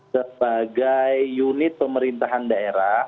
sebagai unit pemerintahan daerah